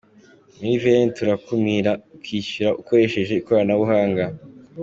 Muri Veni turakuramira, ukishyura ukoresheje ikoranabuhanga.